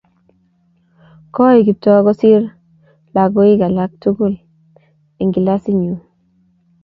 kooi Kiptoo kosiir lakoik alak tugul eng kilasitnyin